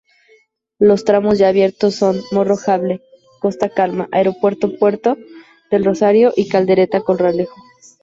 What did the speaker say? Los tramos ya abiertos son: Morro Jable-Costa Calma, Aeropuerto-Puerto del Rosario y Caldereta-Corralejo.